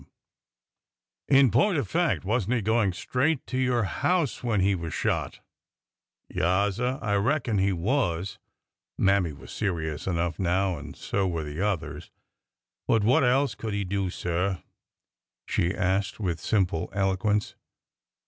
THE PROVOST MARSHAL 325 In point of fact, was n't he going straight to your house when he was shot ?" ''Yaassir; I reckon he was." Mammy was serious enough now, and so were the others. But what else could he do, sir ?" she asked with simple eloquence.